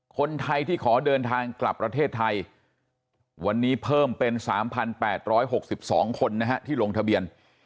คนไทยที่ขอเดินทางกลับประเทศไทยวันนี้เพิ่มเป็น๓๘๖๒คนนะฮะที่ลงทะเบียน